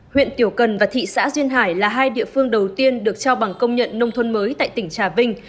huyện tiểu cần và thị xã duyên hải là hai địa phương đầu tiên được trao bằng công nhận nông thôn mới tại tỉnh trà vinh